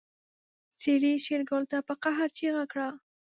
سړي شېرګل ته په قهر چيغه کړه.